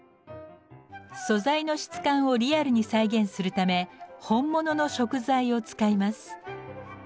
素材の質感をリアルに再現するため本物の食材を使います。